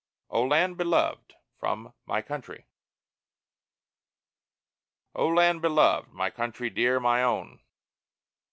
O LAND BELOVED From "My Country" O Land beloved! My Country, dear, my own!